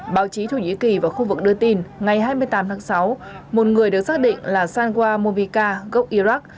báo chí thổ nhĩ kỳ vào khu vực đưa tin ngày hai mươi tám tháng sáu một người được xác định là sangwa mobika gốc iraq